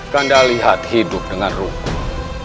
kanda lihat hidup dengan rupuh